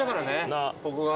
ここが。